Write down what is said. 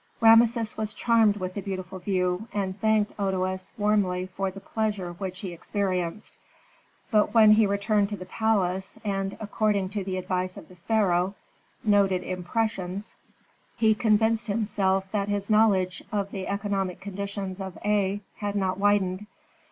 Rameses was charmed with the beautiful view, and thanked Otoes warmly for the pleasure which he experienced. But when he returned to the palace, and, according to the advice of the pharaoh, noted impressions, he convinced himself that his knowledge of the economic conditions of Aa had not widened.